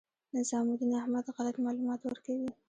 نظام الدین احمد غلط معلومات ورکوي.